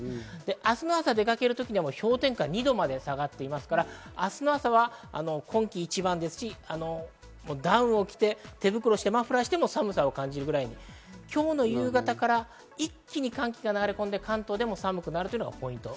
明日朝、出かける時には氷点下２度まで下がっていますから、明日の朝は今季一番ですし、ダウンを着て手袋をして、マフラーをしても寒さを感じるくらいに今日の夕方から一気に寒気が流れ込んで、関東でも寒くなるのがポイントです。